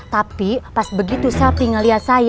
tapi pas begitu selpy ngerayu bang rijal mundur